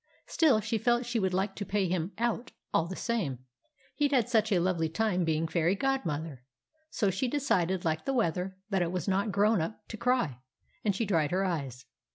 Still, she felt she would like to pay him out, all the same he'd had such a lovely time being fairy godmother! So she decided, like the weather, that it was not grown up to cry, and she dried her eyes.